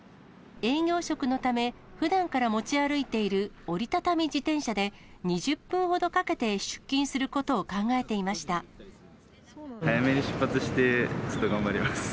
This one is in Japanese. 営業職のため、ふだんから持ち歩いている折り畳み自転車で、２０分ほどかけて出早めに出発して、ちょっと頑張ります。